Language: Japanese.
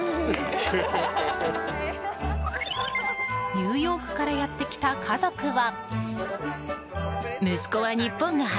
ニューヨークからやってきた家族は。